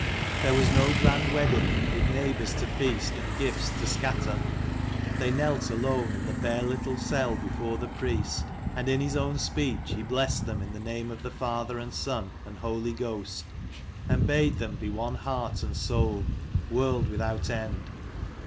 There was no grand wedding, with neighbours to feast and gifts to scatter. They knelt alone in the bare little cell before the priest, and in his own speech he blessed them in the name of the Father and Son and Holy Ghost, and bade them be one heart and soul, world without end.